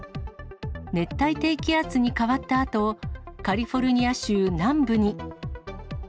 熱帯低気圧に変わったあと、カリフォルニア州南部に。